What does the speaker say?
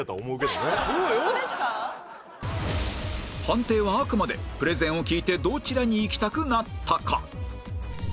判定はあくまでプレゼンを聞いてどちらに行きたくなったか